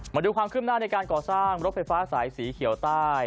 มาดูความขึ้นหน้าในการก่อสร้างรถไฟฟ้าสายสีเขียวใต้